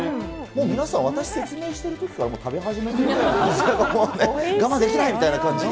皆さん、私が説明してるときから食べ始めて、我慢できないみたいな感じで。